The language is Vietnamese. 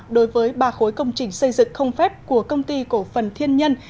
đối với ba khối công trình xây dựng không phép của công ty cổ phần thiên nhân